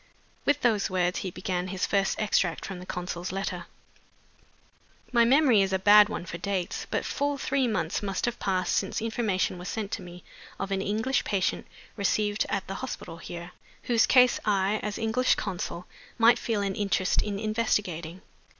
With those words he began his first extract from the consul's letter. "'My memory is a bad one for dates. But full three months must have passed since information was sent to me of an English patient, received at the hospital here, whose case I, as English consul, might feel an interest in investigating.